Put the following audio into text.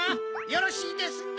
よろしいですな？